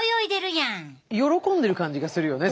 喜んでる感じがするよね